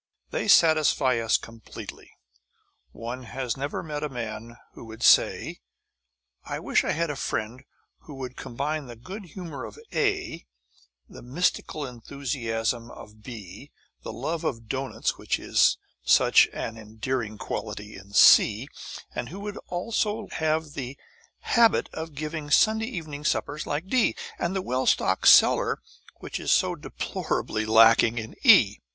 They satisfy us completely. One has never met a man who would say, "I wish I had a friend who would combine the good humour of A, the mystical enthusiasm of B, the love of doughnuts which is such an endearing quality in C, and who would also have the habit of giving Sunday evening suppers like D, and the well stocked cellar which is so deplorably lacking in E."